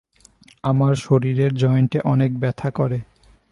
আমার শরীরের জয়েন্টে অনেক ব্যথা করে।